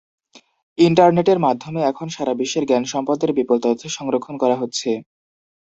ইন্টারনেটের মাধ্যমে এখন সারা বিশ্বের জ্ঞানসম্পদের বিপুল তথ্য সংরক্ষণ করা হচ্ছে।